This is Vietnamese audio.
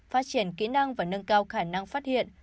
phát triển kỹ năng và nâng cao khả năng phát hiện